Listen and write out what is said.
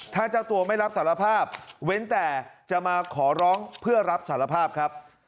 ถ้าเจ้าตัวไม่รับสารภาพเว้นแต่จะมาขอร้องเพื่อรับสารภาพครับ